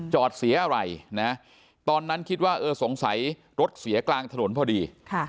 จอดเสียอะไรนะตอนนั้นคิดว่าเออสงสัยรถเสียกลางถนนพอดี